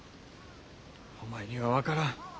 お前には分からん。